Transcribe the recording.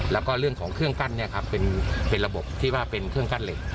แล้วก็เรื่องของเครื่องกั้นเป็นระบบที่ว่าเป็นเครื่องกั้นเหล็ก